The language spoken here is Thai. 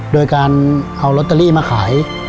โดยการเอาลอตเตอรี่มาขาย